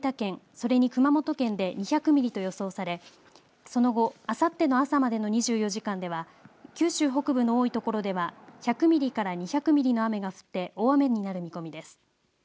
それに熊本県で２００ミリと予想されその後あさっての朝までの２４時間では九州北部の多いところでは１００ミリから２００ミリの雨が降って大雨になる見込みです。